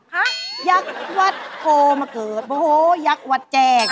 ฮะยักษ์วาดโทมะเกิดโมโฮยักษ์วาดแจก